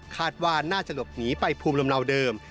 คาดว่าน่าจะหลบหนีไปภูมิลำเนาเดิม